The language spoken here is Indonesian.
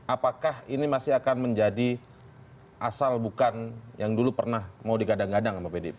apakah ini masih akan menjadi asal bukan yang dulu pernah mau digadang gadang sama pdip